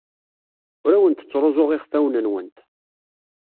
Ur awent-ttruẓuɣ iɣfawen-nwent.